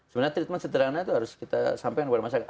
sebenarnya treatment sederhana itu harus kita sampaikan kepada masyarakat